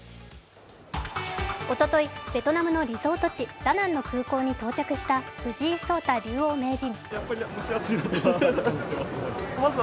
おととい、ベトナムのリゾート地ダナンの空港に到着した藤井聡太竜王名人。